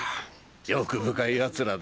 欲深いやつらだ。